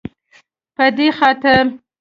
په دې خاطر